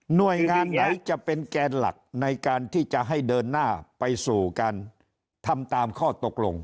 หน่วยงานไหนจะเป็นแกนหลักในการที่จะให้เดินหน้าไปสู่การทำตามข้อตกลง